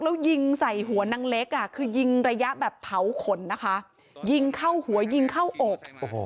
แล้วยิงใส่หัวนางเล็กอ่ะคือยิงระยะแบบเผาขนนะคะยิงเข้าหัวยิงเข้าอก